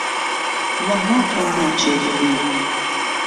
وهڵڵا تۆم ناچێ له بیر